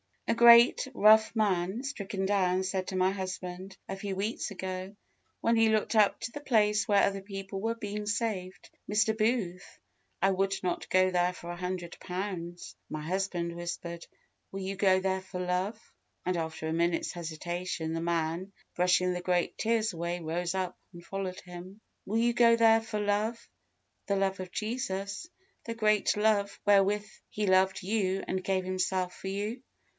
A great, rough man (stricken down), said to my husband, a few weeks ago, when he looked up to the place where other people were being saved, "Mr. Booth, I would not go there for a hundred pounds!" My husband whispered, "Will you go there for love?" and, after a minute's hesitation, the man, brushing the great tears away, rose up, and followed him. Will you go there for love the love of Jesus! the great love wherewith He loved you and gave Himself for you?